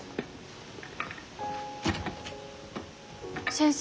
先生。